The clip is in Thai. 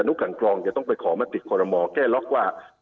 อนุขังกรองจะต้องไปขอมาติดโครมมอล์แก้ล็อคว่า